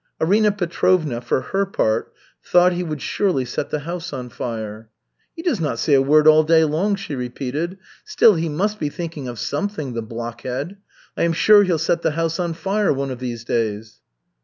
Arina Petrovna, for her part, thought he would surely set the house on fire. "He does not say a word all day long," she repeated. "Still he must be thinking of something, the blockhead! I am sure he'll set the house on fire one of these days."